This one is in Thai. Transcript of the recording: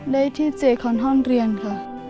ได้ที่เจคอนห้องเรียนค่ะ